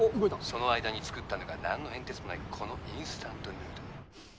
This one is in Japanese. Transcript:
その間に作ったのがなんの変哲もないこのインスタントヌードル。